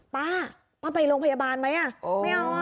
ป๊าป๊าไปโรงพยาบาลไหม